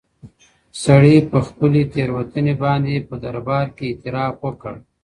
سړي په خپلې تېروتنې باندې په دربار کې اعتراف وکړ.